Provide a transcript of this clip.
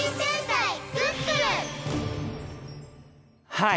はい。